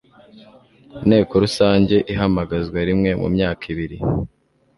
inteko rusange ihamagazwa rimwe mu myaka ibiri